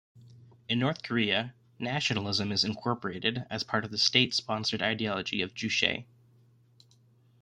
In North Korea, nationalism is incorporated as part of the state-sponsored ideology of Juche.